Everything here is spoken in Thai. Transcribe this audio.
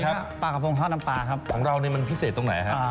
นี่ค่ะปลากระโพงทอดน้ำปลาครับของเรานี่มันพิเศษตรงไหนฮะอ่า